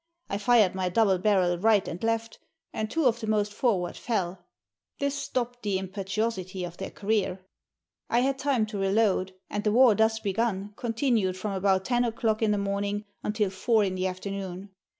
I fired my double barrel right and left, and two of the most forward fell ; this stopped the impetuosity of their career. I had time to reload, and the war thus begun continued from about ten o'clock in the morning until four in the afternoon.